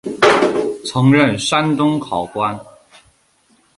曾任山东考官。